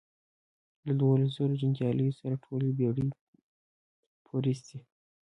له دوولس زرو جنګیالیو سره ټولې بېړۍ پورېستې.